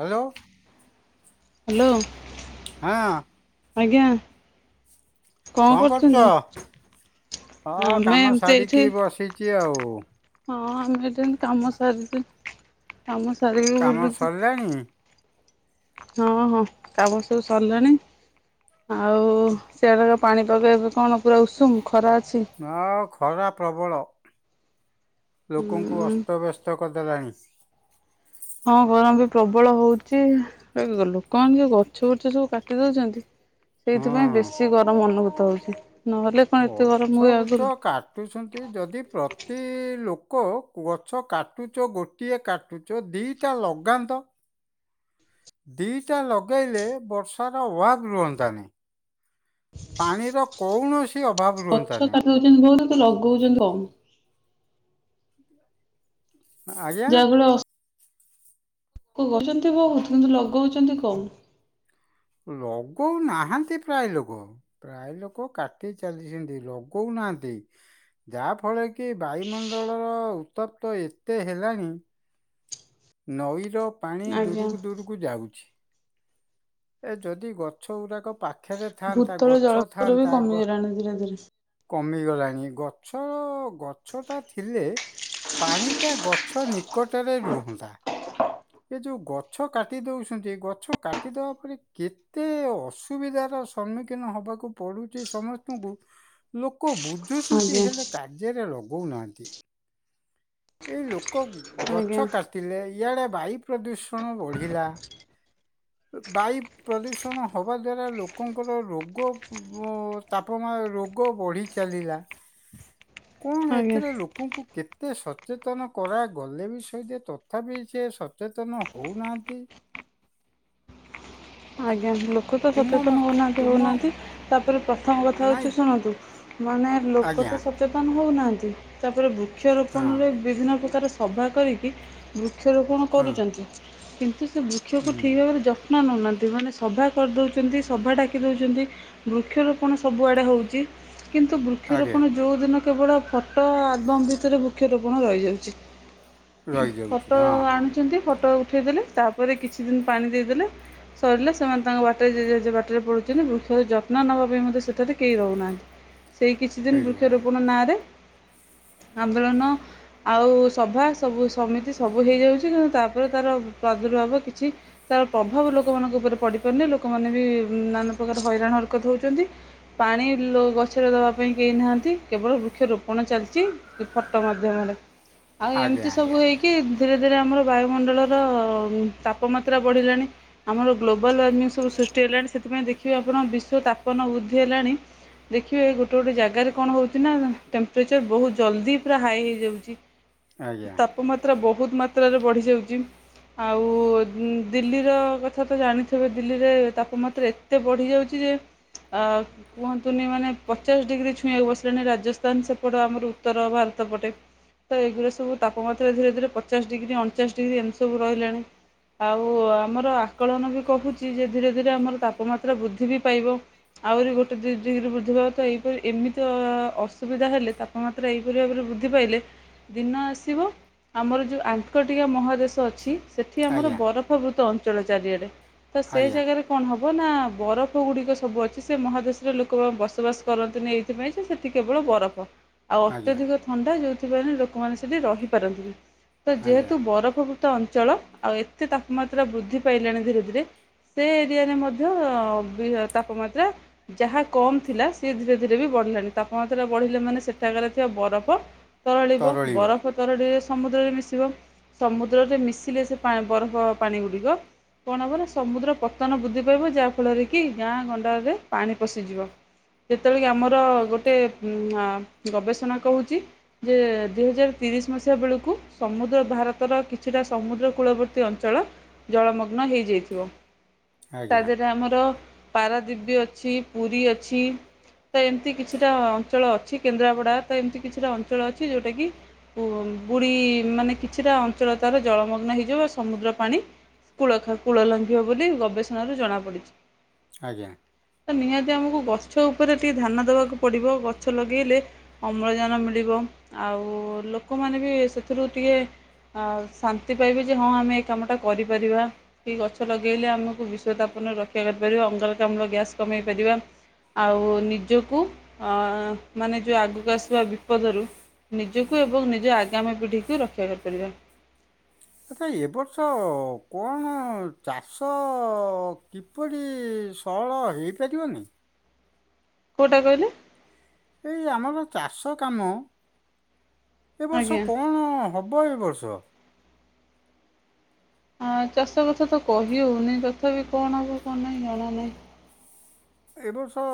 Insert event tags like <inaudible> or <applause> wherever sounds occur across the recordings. Hello. Hello ହଁ ଆଜ୍ଞା। କଣ କରୁଚ ହଁ ହ ଆମେ କାମ ଏମିତି ଏଇଠି ସାରିକି ବସିଚି ଆଉ। ହଁ ଆମେ <unintelligible> କାମ ସାରିଚି କାମ ସାରିକି ବୁଲୁଚି। ରାଣି। ହଁ ହଁ କାମ ସବୁ ସରିଲାଣି। ଆଉ ସେଆଡ଼ାକ ପାଣି ପକେଇବେ କଣ ପୁରା ଉଷୁମ ଖରା ଅଛି। ଆ ଖରା ପ୍ରବଳ ଲୋକଙ୍କୁ ହୁଁ ଅସ୍ତବ୍ୟସ୍ତ କରିଦେଲାଣି। ହଁ ଗରମ ବି ପ୍ରବଳ ହୋଉଚି ଲୋକମାନେ ଯୋ ଗଛ ବଛ ସବୁ କା ଟି ଦୋଉଚନ୍ତି ହଁ ସେଇଥିପାଇଁ ବେଶୀ ଗରମ ଅନୁଭୂତ ହଉଛି। ନହେଲେ କଣ ଏତେ ଗଛ ଗରମ ହୁଏ ବୁଛ ଆଗରୁ। କାଟୁଛନ୍ତି ଯଦି ପ୍ରତି ଲୋକ ଗଛ କାଟୁଚ ଗୋ ଟିଏ କାଟୁଚ ଦିଇଟା ଲଗାନ୍ତ। ଦିଟା ଲଗାଇଲେ ବର୍ଷାର ୱାଗ ରୁହନ୍ତାନେଇଁ। ପାଣିର କୌଣସି ଅଭାବ ରୁହନ୍ତାନେଇଁ। ବହୁ <unintelligible> ଲଗଉଚନ୍ତି କମ୍। ଆଜ୍ଞା। କରଚନ୍ତି ବୋହୁତ୍ କିନ୍ତୁ ଲଗଉଚନ୍ତି କମ୍। ଲଗଉ ନାହାନ୍ତି ପ୍ରାୟ ଲୋକ। ପ୍ରାୟ ଲୋକ କାଟି ଚାଲିଛନ୍ତି ଲଗଉନାହାନ୍ତି। ଯାହାଫଳରେ କି ବାୟୁମଣ୍ଡଳର ଉତ୍ତପ୍ତ ଏତେ ହେଲାଣି ନଈର ପାଣି ଆଜ୍ଞା ଦୂରୁକୁ ଦୂରୁକୁ କୁ ଯାଉଛି ଯଦି ଗଛ ଗୁଡା ପା ଖେରେ ଥାଆନ୍ତା ଭୂତଳ ଗଛ ଜଳସ୍ତର ବି ଥାଆନ୍ତା ଗ କମିଗଲାଣି ଧୀରେ ଧୀରେ କମିଗଲାଣି ଗଛ ଗଛ ଟା ଥିଲେ ପାଣିଟା ଗଛ ନିକଟରେ ରୁହନ୍ତା। ଏ ଯୋଉ ଗଛ କାଟି ଦଉଛନ୍ତି ଗଛ କାଟିଦବା ପରେ କେ ତେ ଅସୁବିଧାର ସମ୍ମୁଖୀନ ହବାକୁ ପଡୁଚି ସମସ୍ତଙ୍କୁ ଲୋକ ବୁଝୁଛନ୍ତି ଆଜ୍ଞା ହେଲେ କାର୍ଯ୍ୟରେ ଲଗଉନାହାନ୍ତି। ଏଇ ଲୋକ ଆଜ୍ଞା ଗଛ କାଟିଲେ ଇଆଡେ ବାୟୁ ପ୍ରଦୂଷଣ ବଢିଲା। ବାୟୁ ପ୍ରଦୂଷଣ ହବା ଦ୍ୱାରା ଲୋକଙ୍କର ରୋଗ ତାପ ରୋଗ ବଢି ଚାଲିଲା। କଣ ଆଜ୍ଞା। ଏଥିରେ ଲୋ ଲୋକଙ୍କୁ କେତେ ସଚେତନ କରାଗଲେ ବି ସହିତ ତଥାପି ସେ ସଚେତନ ହୋଉନାହାନ୍ତି। ଆଜ୍ଞା ଲୋକ ତ ତୁମ ସଚେତନ ମତ ହେଉନାହାନ୍ତି ତୁମ ହେଉନାହାଁନ୍ତି ତାପରେ ପ୍ରଥମ କଥା ନାଇଁ ହେଉଛି ଶୁଣନ୍ତୁ, ମାନେ ଲୋକ ଆଜ୍ଞା ତ ସଚେତନ ହେଉନାହାନ୍ତି ତାପରେ ହଁ ବୃକ୍ଷରୋପଣରେ ବିଭିନ୍ନ ପ୍ରକାର ସଭା କରିକି ବୃକ୍ଷରୋପଣ ହଁ କରୁଚନ୍ତି କିନ୍ତୁ ସେ ବୃକ୍ଷକୁ ଠିକ୍ ହୁଁ ଭାବରେ ଯ ନା ନେନାହାନ୍ତି ମାନେ ସଭା କରି ଦୋଉଛନ୍ତି ସଭା ଡାକି ଦୋଉଛନ୍ତି ବୃକ୍ଷରୋପଣ ସବୁଆଡ଼େ ହୋଉଚି କିନ୍ତୁ ଆଜ୍ଞା। ବୃକ୍ଷରୋପଣ ଯୋଉ ଦିନ କେବଳ ତ ଆଦବମ୍ ଭିତରେ ବୃକ୍ଷରୋପଣ ରହିଯାଉଚି। ରହିଯାଉଛି ଫଟୋ ହଁ ହଁ ଆଣୁଚନ୍ତି ଫଟୋ ଉଠେଇ ଦେଲେ ତାପରେ କିଛି ଦିନ ପାଣି ଦେଇଦେଲେ ସରିଲେ ସେମାନେ ତାଙ୍କ ବାଟରେେଜେ ବାଟରେ ପଡ଼ୁଛନ୍ତି ବୃକ୍ଷର ଯତ୍ନ ନେବା ପାଇଁ ମଧ୍ୟ ସେଠାରେ କେହି ରହୁନାହାନ୍ତି। ସେଇ କିଛି କେହି ଦିନ ରହୁନାହାନ୍ତି। ବୃକ୍ଷରୋପଣ ନାଁରେ ଆନ୍ଦୋଳନ ଆଉ ସଭା ସବୁ ସମିତି ସବୁ ହେଇଯାଉଚି କିନ୍ତୁ ତାପରେ ତାର ପ୍ରାଦୁର୍ଭାବ କିଛି ତାର ପ୍ରଭାବ ଲୋକମାନଙ୍କ ଉପରେ ପଡିପାରୁନି ଲୋକମାନେ ବି ନାନା ପ୍ରକାର ହଇରାଣ ହରକତ ହୋଉଚନ୍ତି। ପାଣି ଗଛରେ ଦେବା ପାଇଁ କେହି ନାହାନ୍ତି କେବଳ ବୃକ୍ଷରୋପ କଣ ଚାଲିଚି ଫଟୋ ମାଧ୍ୟମରେ ଆଉ ଆଜ୍ଞା ଏମିତି ଆଜ୍ଞା ସବୁ ହେଇକି ଧୀରେ ଧୀରେ ଆମର ବାୟୁମଣ୍ଡଳର ତାପମାତ୍ରା ବଢ଼ିଲାଣି। ଆମର ଗ୍ଲୋବାଲ୍ ୱାର୍ମିଙ୍ଗ ସବୁ ସୃଷ୍ଟି ହେଲାଣି ସେଥିପାଇଁ ଦେଖିବେ ଆପଣ ବିଶ୍ୱ ତାପମାନ ବୃଦ୍ଧି ହେଲାଣି ଦେଖିବେ ଏ ଗୋଟେ ଗୋଟେ ଜାଗାରେ କଣ ହୋଉଚି ନା ଟେମ୍ପରେଚର ବହୁତ ଜଲ୍ଦି ପୁରା ହାଇ ହେଇଯାଉଚି। ହ ଆଜ୍ଞା। ତାପମାତ୍ରା ବହୁତ ମାତ୍ରାରେ ବଢ଼ିଯାଉଚି ଆଉ ଦିଲ୍ଲୀର ଯଥା ତ ଜାଣିଥିବେ ଦିଲ୍ଲୀରେ ତାପମାତ୍ରା ଏତେ ବଢ଼ିଯାଉଚି ଯେ ଆ କୁହନ୍ତୁନି ମାନେ ପଚାଶ ଡିଗ୍ରୀ ଛୁଇଁବାକୁ ବସିଲାଣି ରାଜସ୍ଥାନ ସେପଟ ଆମର ଉତ୍ତର ଭାରତ ପଟେ। ତ ଏଗୁରା ସବୁ ତାପମାତ୍ରା ଧୀରେ ଧୀରେ ପଚାଶ ଡିଗ୍ରୀ ଅଣଚାଶ ଡିଗ୍ରୀ ଏମତି ସବୁ ରହିଲାଣି। ଆଉ ଆମର ଆକଳନ ବି କହୁଚି ଯେ ଧୀରେ ଧୀରେ ଆମର ତାପମାତ୍ରା ବୃଦ୍ଧି ବି ପାଇବ। ଆହୁରି ଗୋଟେ ଦୁଇ ଡିଗ୍ରୀ ବୃଦ୍ଧି ଭ ତ ଏହିପରି ଏମିତି ଅସୁବିଧା ହେଲେ ତା ତାପ ମାତ୍ର ଏହିପରି ଭାବରେ ବୃଦ୍ଧି ପାଇଲେ ପାଇଲେ ଦିନ ଆସିବ ଆମର ଯେଉଁ ଆଙ୍କକଟିକା ମହାଦେଶ ଅଛି ସେଠି ଆମର ଆଜ୍ଞା। ବରଫ ପ୍ରଭୃତ ଅଞ୍ଚଳ ଚାରିଆଡ଼େ ତ ସେ ଆଜ୍ଞା ଜାଗାରେ କଣ ହବ ନା ବରଫ ଗୁଡିକ ସବୁ ଅଛି ସେ ମହାଦେଶରେ ଲୋକମାନେ ବସବାସ କରନ୍ତିନି ଏଇ ସେଥିପାଇଁ ସେ ସେଠି କେବଳ ବରଫ। ଆଉ ଆଜ୍ଞା ଅତ୍ୟଧିକ ଥଣ୍ଡା ଯୋଉଥିପାଇ ଲୋକମାନେ ସେଠି ରହିପାରନ୍ତିନି ତ ଆଜ୍ଞା। ଯେହେତୁ ବରଫ ଅଞ୍ଚଳ ଆଉ ଏତେ ତାପମାତ୍ରା ବୃଦ୍ଧି ପାଇଲାଣି ଧୀରେ ଧୀରେ ସେ ଏରିଆରେ ମଧ୍ୟ ଅବି ତାପମାତ୍ରା ଯାହା କମ୍ ଥିଲା ସିଏ ଧୀରେ ଧୀରେ ବି ବଢିଲାଣି ତାପମାତ୍ରା ବଢିଲେ ମାନେ ସେଠାକାର ଥିବା ବରଫ ତରଳିବ ବରଫ ତରଡ଼ିଲେ ସମୁଦ୍ରରେ ମିଶିବ ସମୁଦ୍ରରେ ମିଶିଲେ ସେ ବରଫ ପାଣି ଗୁଡ଼ିକ କଣ ହେବ ନା ସମୁଦ୍ର ପତନ ବୃଦ୍ଧି ପାଇବ ଯାହା ଫଳରେ କି ଗାଁ ଗଣ୍ଡାରେ ପାଣି ପଶିଯିବ। ଯେତେବେଳେ କି ଆମର ଗୋଟେ ଆଁ ଗବେଷଣା କହୁଛି ଯେ ଦୁଇ ହଜାର ତିରିଶ ମସିହା ବେଳକୁ ସମୁଦ୍ର ଭାରତର କିଛିଟା ସମୁଦ୍ର କୂଳବର୍ତ୍ତୀ ଅଞ୍ଚଳ ଜଳମଗ୍ନ ହେଇଯାଇଥିବ ତା ଆଜ୍ଞା ଦେହରେ ଆମର ପାରାଦିବ୍ବି ଅଛି ପୁରୀ ଅଛି ତ ଏମିତି କିଛିଟା ଅଞ୍ଚଳ ଅଛି ଅଛି କେନ୍ଦ୍ରାପଡା ତ ଏମିତି କିଛିଟା ଅଞ୍ଚଳ ଅଛି ଯୋଉଟା କି ବୁଢଡି ମାନେ କିଛିଟା ଅଞ୍ଚଳ ତାର ଜଳମଗ୍ନ ହେଇଯିବ ସମୁଦ୍ର ପାଣି କୂଳ ଖାଉ କୂଳ ଲଙ୍ଘିବ ବୋଲି ଗବେଷଣାରୁ ଜଣାପଡିଛି। ଆଜ୍ଞା। ତ ନିହାତି ଆମକୁ ଗଛ ଉପରେ ଟିକେ ଧ୍ୟାନ ଦବାକୁ ପଡିବ ଗଛ ଲଗେଇଲେ ଅମ୍ଳଜାନ ମିଳିବ ଆଉ ଲୋକମାନେ ବି ସେଥିରୁ ଟିକେ ଆଉ ଶାନ୍ତି ପାଇବେ ଯେ ହଁ ଆମେ ଏ କାମଟା କରିପାରିବା। କି ଗଛ ଲଗେଇଲେ ଆମକୁ ବିଷତାପନରେ ରକ୍ଷା କରିପାରିବ ଅଙ୍ଗାରକା ଆର ଗ୍ୟାସ୍ କମେଇ ପାରିବା। ଆଉ ନିଜକୁ ମାନେ ଯେଉଁ ଆଗକୁ ଆସିବା ବିପଦରୁ ନିଜକୁ ଏବଂ ନିଜ ଆଗାମୀ ପିଢ଼ିକୁ ରକ୍ଷା କରିପାରିବା। ଆଚ୍ଛା ଏ ବର୍ଷ କଣ ଚାଷ କି କିପରି ସଅଳ ହଇପାରିବନି? କୋଉଟା କହିଲେ? ଏଇ ଆମର ଚାଷ କାମ ଏ ବର୍ଷ ଆଜ୍ଞା। କଣ? ହବ ଏଇ ବର୍ଷ। ହଁ ଚାଷ କଥା ତ କହି ହଉନି ତଥାପି କଣ ହବ କନାଇଁ ଜଣାନାହିଁ। ଏ ବର୍ଷ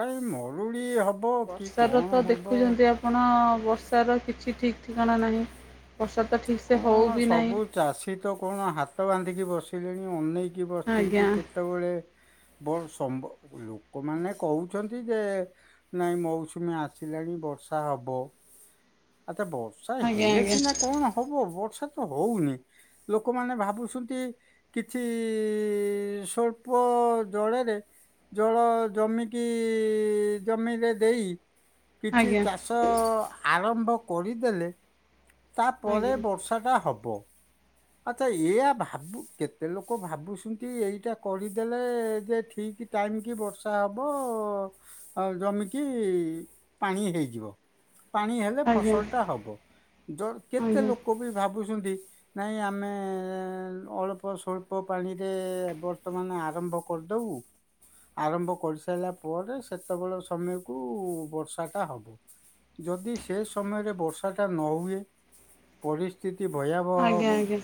କାହିଁ ମରୁଡ଼ି ହବ କି ବର୍ଷାର ତ କଣ ହବ? ଦେଖୁଛନ୍ତି ଆପଣ ବର୍ଷାର କିଛି ଠିକ୍ ଠିକଣା ନାହିଁ ବର୍ଷା ତ ଠିକ୍ ସେ କଣ ହଉବି ନାହିଁ। ସବୁ ଚାଷୀ ତ କଣ ହାତ ବାନ୍ଧିକି ବସିଲେଣି ଅନେଇକି ଆଜ୍ଞା ବସିଛନ୍ତି କେତେବେଳେ ବ ସମ୍ ଲୋକମାନେ କହୁଛନ୍ତି ଯେ ନାଇଁ ମୌସୁମୀ ଆସିଲାଣି ବର୍ଷା ହବ ଆତା ବ ବର୍ଷା ଆଜ୍ଞା ହେଲେ ସିନା କଣ ହବ ବର୍ଷା ତ ହଉନି ଲୋକମାନେ ଭାବୁସୁନ୍ତି କିଛି ସ୍ୱଳ୍ପ ଜଳରେ ଜଳ ଜମିକି ଜମିରେ ଦେଇ ଆଜ୍ଞା କିଛି ଆଜ୍ଞା ଚାଷ ଆରମ୍ଭ କରିଦେଲେ ତାପରେ ଆଜ୍ଞା ବର୍ଷାଟା ହବ। ଆଚ୍ଛା ଏଇଆ ଭାବୁ କେତେ ଲୋକ ଭାବୁସୁନ୍ତି ଏଇଟା କରିଦେଲେ ଯେ ଠିକ ଟାଇମ କି ବର୍ଷା ହବ ଜମିକି ପାଣି ହେଇଯିବ। ପାଣି ହେଲେ ଆଜ୍ଞା ଫସଲ ଟା ହବ ଜର କେତେ ଆଜ୍ଞା ଲୋକ ବି ଭାବୁସୁନ୍ତି ନାଇଁ ଆମେ ଅଳ୍ପ ସ୍ୱଳ୍ପ ପାଣିରେ ବର୍ତ୍ତମାନ ଆରମ୍ଭ କରିଦବୁ। ଆରମ୍ଭ କରିସାରିଲା ପରେ ସେତେବେଳେ ସମୟକୁ ବର୍ଷାଟା ହବ। ଯଦି ସେ ସମୟରେ ବର୍ଷାଟା ନ ହୁଏ, ପରିସ୍ଥିତି ଭୟାବହ ହେବ। ଆଜ୍ଞା ଆଜ୍ଞା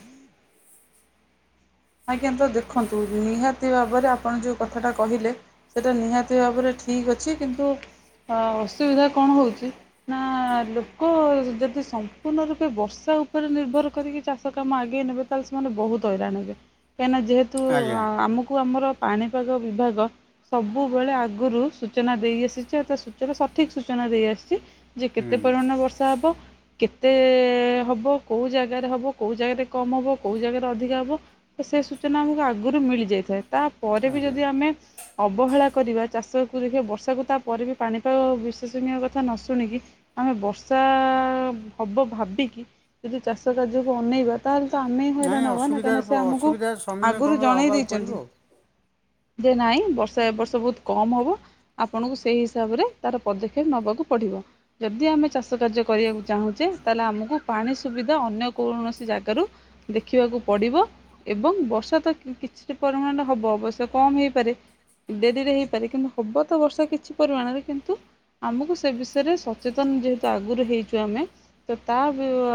ଆଜ୍ଞା ତ ଦେଖନ୍ତୁ ନିହାତି। ନିତି ଭାବରେ ଆପଣ ଯେଉ କଥାଟା କହିଲେ, ସେଇଟା ନିହାତି ଭାବରେ ଠିକ୍ ଅଛି କିନ୍ତୁ ଅ ଅସୁବିଧା କଣ ହଉଛି ନା ଲୋକ ଯଦି ସମ୍ପୂର୍ଣ୍ଣ ରୂପେ ବର୍ଷା ଉପରେ ନିର୍ଭର କରିକି ଚାଷ କାମ ଆଗେଇ ନେବେ, ର ହଇଣହେବେ। କାହିଁକି ନା ଯେହେତୁ, ଆ, ଆଜ୍ଞା ଆମକୁ ଆମର ପାଣିପାଗ ବିଭାଗ, ସବୁବେଳେ ଆଗରୁ ସୂଚନା ଦେଇ ଆସିଛି। ଆଉ ତା ସୂଚନା ସଠିକ ସୂଚନା ଦେଇ ଆସିଛି, ଯେ ହୁଁ କେତେ ପରିମାଣ ବର୍ଷା ହେବ। କେତେ ହେବ, କେଉଁ ଜାଗାରେ ହେବ, କେଉଁ ଜାଗାରେ କମ୍ ହେବ, କେଉଁ ଜାଗାରେ ଅଧିକା ହେବ, ତ ସେ ସୂଚନା ଆମକୁ ଆଗରୁ ମିଳିଯାଇଥାଏ। ତାପରେ ବି ଆଜ୍ଞା ଯଦି ଆମେ, ଅବହେଳା କରିବା ଚାଷଖିବା ବର୍ଷାକୁ ତାପରେ ବି ପାଣିପାଗ ବିଶ୍ୱସନୀୟ କଥା ନ ଶୁଣିକି, ଆମେ ବର୍ଷା ହବ ଭାବିକି ଯଦି ଚାଷ କାର୍ଯ୍ୟକୁ ଅନେଇବା, ତାହେଲେ ତ ଆମେ ହି ନାଇଁ ହଇରାଣ ହବା ନା, କାହିଁକିନା ଅସୁବିଧାରେ ସେ ପ ଆମକୁ ଅସୁବିଧାର ସମ୍ମୁଖୀନ କ- ଆଗରୁ ଜଣେଇ ହବାକୁ ପଡ଼ିବ ଦେଇଛନ୍ତି। ଆଉ। ଯେ ନାାଇଁ ବର୍ଷ ଏବ ବର୍ଷ ବହୁତ କମ ହେବ, ଆପଣଙ୍କୁ ସେହି ହିସାବରେ ତାର ପଦକ୍ଷେପ ନେବାକୁ ପଡ଼ିବ। ଯଦି ଆମେ ଚାଷ କାର୍ଯ୍ୟ କରିବାକୁ ଚାହୁଁଛେ, ତାହେଲେ ଆମକୁ ପାଣି ସୁବିଧା ଅନ୍ୟ କୌଣସି ଜାଗାରୁ, ଦେଖିବାକୁ ପଡ଼ିବ ଏବଂ ବର୍ଷା ତ କିଛି ପରିମାଣରେ ହବ। ଅବଶ୍ୟ କମ ହେଇପାରେ, ଧୀରେ ଧୀରେ ହେଇପାରେ, କିନ୍ତୁ ହବ ତ ବର୍ଷା କିଛି ପରିମାଣରେ କିନ୍ତୁ ଆମକୁ ସେ ବିଷୟରେ ସଚେତନ ଯେହେତୁ ଆଗରୁ ହେଇଛୁ ଆମେ ତ ତା ଅ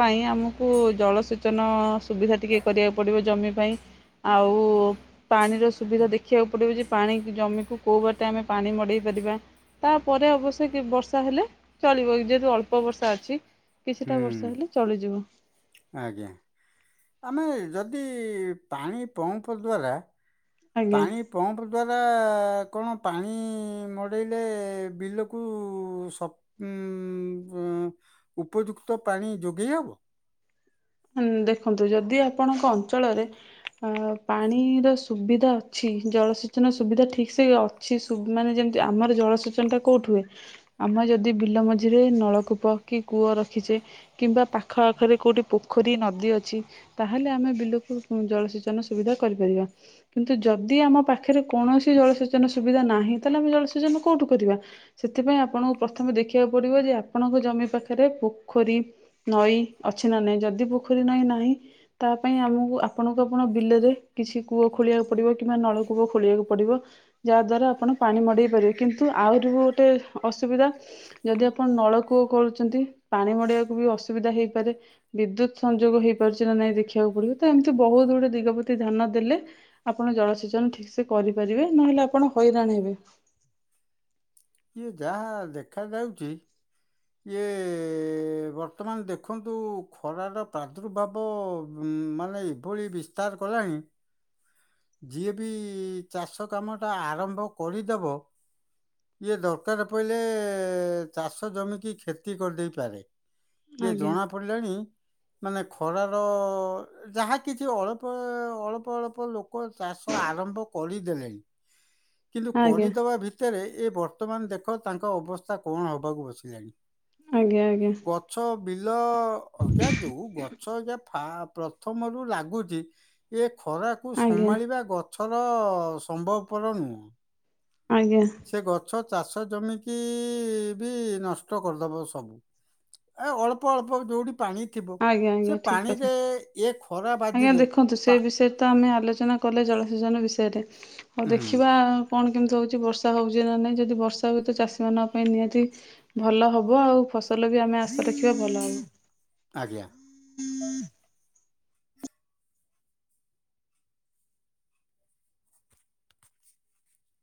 ପାଇଁ ଆମକୁ ଜଳସେଚନ ସୁବିଧା ଟିକେ କରିବାକୁ ପଡ଼ିବ ଜମି ପାଇଁ, ଆଉ ପାଣିର ସୁବିଧା ଦେଖିବାକୁ ପଡିବ ଯେ ପାଣି ଜମିକୁ କୋଉ ବାଟେ ଆମେ ପାଣି ମଡେଇ ପାରିବା। ତାପରେ ଅବଶ୍ୟ ବର୍ଷା ହେଲେ ଚଳିବ, ଯେହେତୁ ଅଳ୍ପ ବର୍ଷା ଅଛି କିଛିଟା ହୁଁ ବର୍ଷା ହେଲେ, ଚଳିଯିବ <unintelligible> ଆଜ୍ଞା! ଆମେ ଯଦି ପାଣି ପମ୍ପ ଦ୍ଵାରା ଆଜ୍ଞା। ପାଣି, ପମ୍ପ ଦ୍ୱାରା କଣ ପାଣି ମଡ଼େଇଲେ ବିଲକୁ ସ ଉଁ ଉପଯୁକ୍ତ ପାଣି ଯୋଗେଇ ହବ? ହ ଦେଖନ୍ତୁ ଯଦି ଆପଣଙ୍କ ଅଞ୍ଚଳରେ, ଅ ପାଣିର ସୁବିଧା ଅଛି। ଜଳସେଚନ ସୁବିଧା ଠିକ ସେ କିଛି ମାନେ ଯେମିତି ଆମର ଜଳସେଚନ ଟା କୋଉଠି ହୁଏ? ଆମେ ଯଦି ବିଲ ମଝିରେ ନଳକୂପ କି କୂଅ ରଖିଛେ, କିମ୍ବା ପାଖ ଆଖରେ କୋଉଠି ପ <unintelligible> ପୋଖରୀ ନଦୀ ଅଛି, ତାହେଲେ ଆମେ ବିଲକୁ ଜଳସେଚନ ସୁବିଧା କରିପାରିବା। କିନ୍ତୁ ଯଦି ଆମ ପାଖରେ କୌଣସି ଜଳସେଚନ ସୁବିଧା ନାହିଁ, ତାହେଲେ ଆମେ ଜଳସେଚନ କୋଉଠୁ କରିବା। ସେଥିପାଇଁ ଆପଣଙ୍କୁ ପ୍ରଥମେ ଦେଖିବାକୁ ପଡ଼ିବ ଯେ, ଆପଣଙ୍କ ଜମି ପାଖରେ ପୋଖରୀ, ନଈ, ଅଛି ନା ନହିଁ ଯଦି ପୋଖରୀ ନଈ ନାହିଁ ତା ପାଇଁ ଆମକୁ ଆପଣଙ୍କୁ ଆପଣ ବିଲରେ କିଛି କୂଅ ଖୋଳିବାକୁ ପଡ଼ିବ, କିମ୍ବା ନଳ କୂଅ ଖୋଳିବାକୁ ପଡ଼ିବ। ଯାହା ଦ୍ଵାରା ଆପଣ ପାଣି ମଡେଇ ପାରିବେ। କିନ୍ତୁ ଆହୁରି ବି ଗୋଟେ ଅସୁବିଧା, ଯଦି ଆପଣ ନଳକୂଅ କରୁଛନ୍ତି ପାଣି ମଡିବାକୁ ବି ଅସୁବିଧା ହେଇପାରେ। ବିଦ୍ୟୁତ ସଂଯୋଗ ହେଇପାରୁଛି ନା ନାଇଁ ଦେଖିବାକୁ ପଡିବ। ତ ଏମିତି ବହୁତ ଗୁଡଏ ଦିଗ ପ୍ରତି ଧ୍ୟାନ ଦେଲେ, ଆପଣ ଜଳସେଚନ ଠିକ ସେ କରିପାରିବେ, ନହେଲେ ଆପଣ ହଇରାଣ ହେବେ। ଇଏ ଯାହା ଦେଖାଯାଉଛି ଏଏ ବର୍ତ୍ତମାନ ଦେଖନ୍ତୁ ଖରାର ପ୍ରାଦୁର୍ଭାବ ମାନେ ଏଭଳି ବି ସ୍ତାର କଲାଣି ଯିଏ ବି ଚାଷ କାମ ଟା ଆରମ୍ଭ କରିଦବ ଇଏ ଦରକାର ପଇଲେ ଚାଷ ଜମିିକି କ୍ଷତି କରିଦେଇ ପାରେ। ଇଏ ଆଜ୍ଞା ଜଣା ପଡିଲାଣି ମାନେ ଖରାର ଯାହା କିଛି ଅଳ୍ପ ଅଳ୍ପ ଅଳ୍ପ ଲୋକ ଲୋକ ଚାଷ ଆରମ୍ଭ କରିଦେଲେଣି। କିନ୍ତୁ ଆଜ୍ଞା କରିଦେବା ଭିତରେ ଏ ବର୍ତ୍ତମାନ ଦେଖ ତାଙ୍କ ଅବସ୍ଥା କଣ ହେବାକୁ ବସିଲାଣି। ଆଜ୍ଞା ଆଜ୍ଞା। ଗଛ ବିଲ ଅଇକା ଯେଉଁ ଗଛ ଅଇକା ପ୍ରଥମରୁ ଲାଗୁଛି ଏ ଖରାକୁ ଆଜ୍ଞା ସମ୍ଭାଳିବା ଗଛର ସମ୍ଭବପର ନୁହଁ। ଆଜ୍ଞା। ସେ ଗଛ ଚାଷ ଜମିକି ବି ନଷ୍ଟ କରିଦେବ ସବୁ। ଏ ଅଳ୍ପ ଅଳ୍ପ ଯୋଉଠି ପାଣି ଥିବ ଆଜ୍ଞା ସେ ଆଜ୍ଞା ଠିକ୍ କଥା। ପାଣିରେ ଏ ଖରା ଆଜ୍ଞା ବାଜିଲେ ଦେଖନ୍ତୁ ସେ ପା- ବିଷୟରେ ତ ଆମେ ଆଲୋଚନା କଲେ ଜଳସେଚନ ବିଷୟରେ ଆଉ ହୁଁ ଦେଖିବା କଣ କେମିତି ହଉଛି ବର୍ଷା ହେଉଛି ନା ନାହିଁ ଯଦି ବର୍ଷା ହୁଏ ତ ଚାଷୀମାନଙ୍କ ପାଇଁ ନିହାତି ଭଲ ହବ ଆଉ ଫସଲ ବି ଆମେ ଆଶା ରଖିବା ଭଲ ହବ। ଆଜ୍ଞା। ହୁଁ।